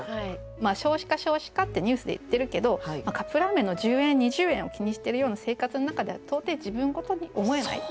少子化少子化ってニュースでいってるけどカップラーメンの十円二十円を気にしてるような生活の中では到底自分事に思えない。